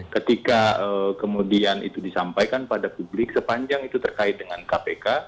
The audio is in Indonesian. ketika kemudian itu disampaikan pada publik sepanjang itu terkait dengan kpk